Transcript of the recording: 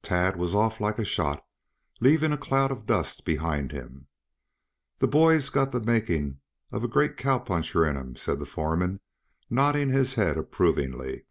Tad was off like a shot, leaving a cloud of dust behind him. "That boy's got the making of a great cowpuncher in him," said the foreman, nodding his head approvingly.